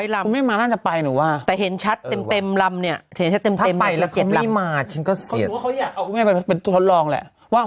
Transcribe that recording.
ถ้ามีโอกาสอยากจะเจอสื่อผู้ชนมาร่วมสังเกติการณ์ทางนึง